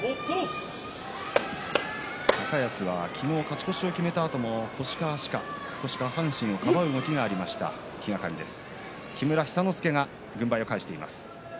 高安は昨日勝ち越しを決めたあとも腰か足か、少し下半身をかばう動きがありました、気がかりです。